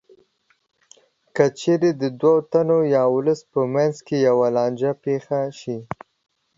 که چېرې د دوو تنو یا ولس په منځ کې یوه لانجه پېښه شي